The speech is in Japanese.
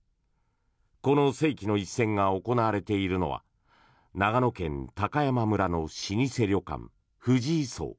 この世紀の一戦が行われているのは長野県高山村の老舗旅館藤井荘。